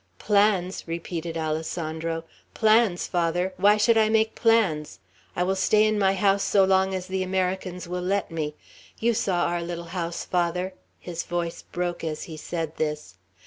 "Plans!" repeated Alessandro, "plans, Father! Why should I make plans? I will stay in my house so long as the Americans will let me. You saw our little house, Father!" His voice broke as he said this.